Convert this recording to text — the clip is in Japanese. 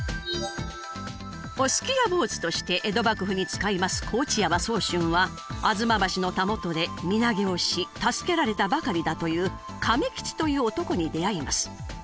御数奇屋坊主として江戸幕府に仕えます河内山宗俊は吾妻橋のたもとで身投げをし助けられたばかりだという亀吉という男に出会います。